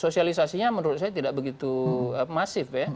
sosialisasinya menurut saya tidak begitu masif ya